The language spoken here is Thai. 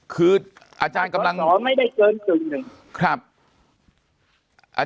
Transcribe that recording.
คืออาจารย์กำลังว่า